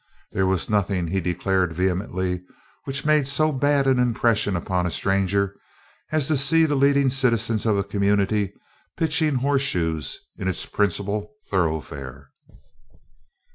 There was nothing, he declared vehemently, which made so bad an impression upon a stranger as to see the leading citizens of a community pitching horseshoes in its principal thoroughfare.